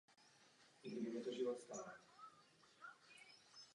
Poté označil Plinius starší baziliku jako jednu z nejkrásnějších staveb v Římě.